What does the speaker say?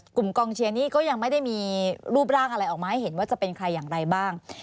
กองเชียร์นี่ก็ยังไม่ได้มีรูปร่างอะไรออกมาให้เห็นว่าจะเป็นใครอย่างไรบ้าง